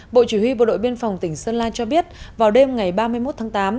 bộ chỉ huy bộ đội biên phòng tỉnh sơn la cho biết vào đêm ngày ba mươi một tháng tám